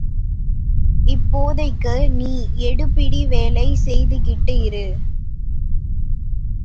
இப்போதைக்கு நீ எடுபிடி வேலை செய்துக்கிட்டு இரு.